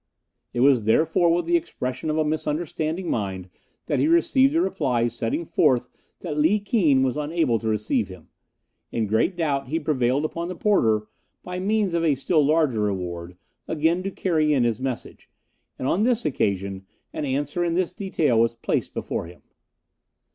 It was therefore with the expression of a misunderstanding mind that he received a reply setting forth that Li Keen was unable to receive him. In great doubt he prevailed upon the porter, by means of a still larger reward, again to carry in his message, and on this occasion an answer in this detail was placed before him.